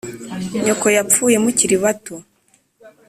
nyoko yapfuye mukiri bato